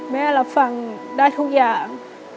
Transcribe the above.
รับฟังได้ทุกอย่าง